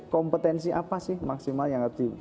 kompetensi apa sih maksimal yang